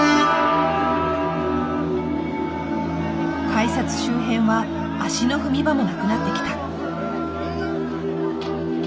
改札周辺は足の踏み場も無くなってきた。